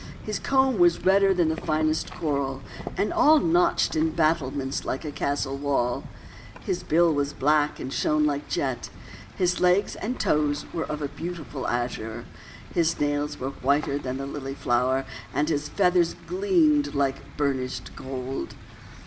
His comb was redder than the finest coral, and all notched in battlements like a castle wall. His bill was black and shone like jet, his legs and his toes were of a beautiful azure, his nails were whiter than the lily flower, and his feathers gleamed like bur nished gold.